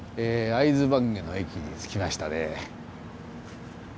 会津坂下の駅に着きましたね。